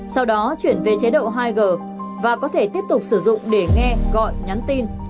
sau đó chuyển về chế độ hai g và có thể tiếp tục sử dụng để nghe gọi nhắn tin